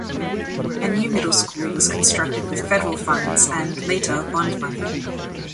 A new middle school was constructed with federal funds and later bond money.